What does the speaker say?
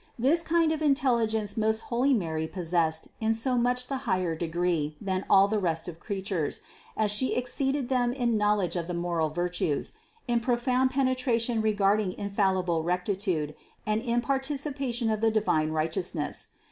This kind of intelligence most holy Mary possessed in so much the higher degree than all the rest of creatures, as She exceeded them in knowledge of the moral virtues, in profound penetration regarding infal lible rectitude, and in participation of the divine right eousness.